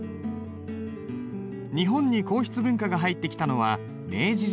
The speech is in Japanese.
日本に硬筆文化が入ってきたのは明治時代。